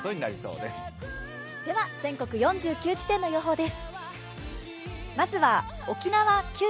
では全国４９地点の予報です。